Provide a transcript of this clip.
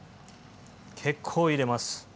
結構入れます。